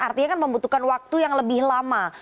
artinya kan membutuhkan waktu yang lebih lama